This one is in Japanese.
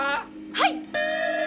はい！